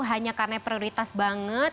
hanya karena prioritas banget